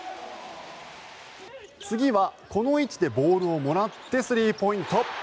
次はこの位置でボールをもらってスリーポイント。